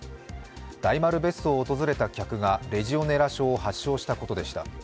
大丸別荘を訪れた客がレジオネラ症を発症したことでした。